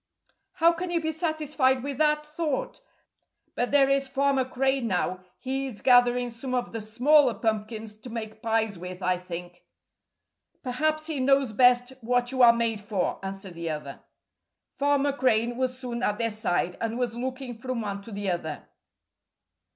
"How can you be satisfied with that thought? But there is Farmer Crane now. He is gathering some of the smaller pumpkins to make pies with, I think." "Perhaps he knows best what you are made for," answered the other. Farmer Crane was soon at their side, and was looking from one to the other.